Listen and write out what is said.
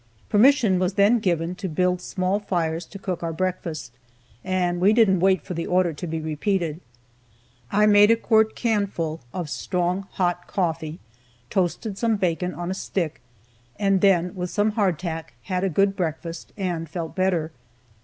Permission was then given to build small fires to cook our breakfast, and we didn't wait for the order to be repeated. I made a quart canful of strong, hot coffee, toasted some bacon on a stick, and then, with some hardtack, had a good breakfast and felt better.